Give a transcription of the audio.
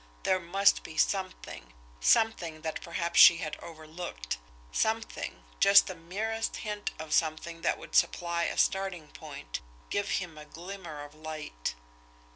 There must be something, something that perhaps she had overlooked, something, just the merest hint of something that would supply a starting point, give him a glimmer of light.